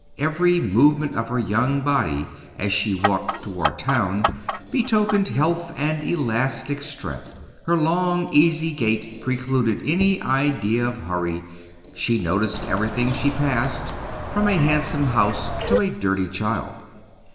Every movement of her young body, as she walked toward town, betokened health and elastic strength. Her long, easy gait precluded any idea of hurry; she noticed everything she passed, from a handsome house to a dirty child.